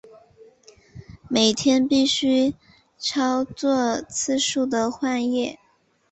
每天必须操作数次的换液。